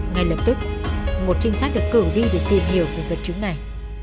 ngay lập tức một trinh sát được cử đi để tìm hiểu về vật chứng này